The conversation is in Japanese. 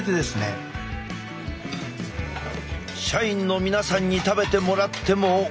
社員の皆さんに食べてもらっても。